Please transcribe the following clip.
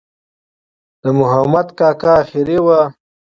د مخامد کاکا آخري وه.